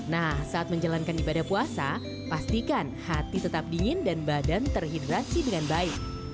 nah saat menjalankan ibadah puasa pastikan hati tetap dingin dan badan terhidrasi dengan baik